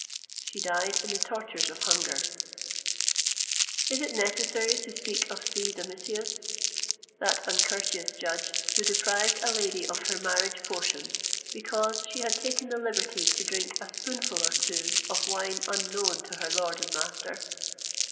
She died in the tortures of hunger.[XXVIII 138] Is it necessary to speak of C. Domitius, that uncourteous judge, who deprived a lady of her marriage portion because she had taken the liberty to drink a spoonful or two of wine unknown to her lord and master?